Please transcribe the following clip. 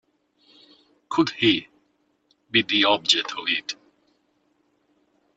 Could he be the object of it?